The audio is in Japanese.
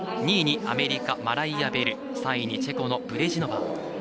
２位にアメリカ、マライア・ベル３位にチェコのブレジノバー。